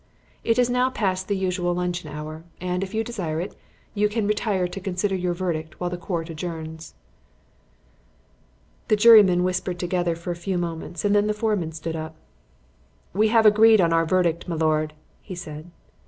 It is now past the usual luncheon hour, and, if you desire it, you can retire to consider your verdict while the Court adjourns." The jurymen whispered together for a few moments and then the foreman stood up. "We have agreed on our verdict, my lord," he said.